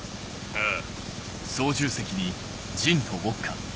ああ。